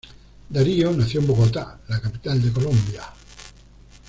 Darío nació en Bogotá la capital de Colombia.